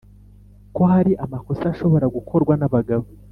ko hari amakosa ashobora gukorwa n’abagabo